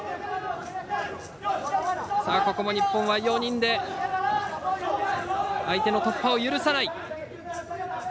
日本は４人で相手の突破を許さない。